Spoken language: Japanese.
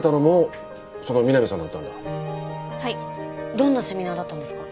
どんなセミナーだったんですか？